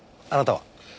あなたは？